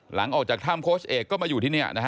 หลังจากถ้ำโค้ชเอกก็มาอยู่ที่นี่นะฮะ